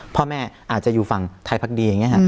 พ่อแม่อาจจะอยู่ฝั่งไทยพักดีอย่างนี้ฮะ